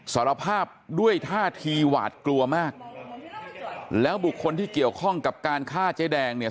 สารภาพด้วยท่าทีหวาดกลัวมากแล้วบุคคลที่เกี่ยวข้องกับการฆ่าเจ๊แดงเนี่ย